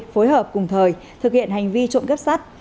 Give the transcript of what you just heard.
phối hợp cùng thời thực hiện hành vi trộm cắp sắt